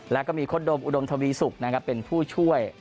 แล้วก็มีโค้ดมอุดมทวีสุกนะครับเป็นผู้ช่วย